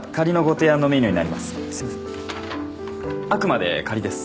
あくまで仮です